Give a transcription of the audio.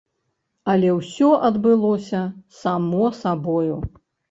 Але ўсё адбылося само сабою.